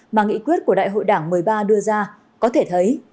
mà nghị quyết của đại hội đảng một mươi ba đưa ra có thể thấy